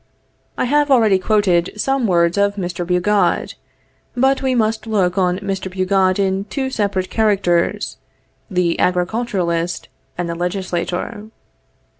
I have already quoted some words of Mr. Bugeaud; but we must look on Mr. Bugeaud in two separate characters, the agriculturist and the legislator.